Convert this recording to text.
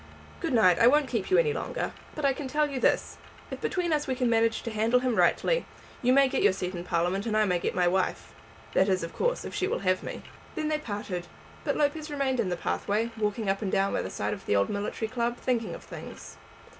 Good night; I won't keep you any longer. But I can tell you this; if between us we can manage to handle him rightly, you may get your seat in Parliament and I may get my wife; that is, of course, if she will have me." Then they parted, but Lopez remained in the pathway, walking up and down by the side of the old military club, thinking of things.